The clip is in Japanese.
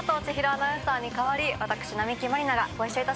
アナウンサーに代わり私並木万里菜がご一緒致します。